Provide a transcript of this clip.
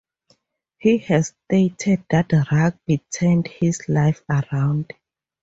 He has stated that rugby turned his life around.